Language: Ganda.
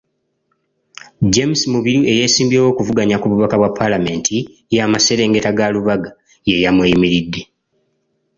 James Mubiru eyeesimbyewo okuvuganya ku bubaka bwa Paalamenti y'amaserengeta ga Lubaga ye yamweyimiridde.